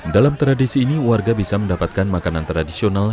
dalam tradisi ini warga bisa mendapatkan makanan tradisional